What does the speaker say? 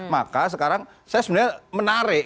maka sekarang saya sebenarnya menarik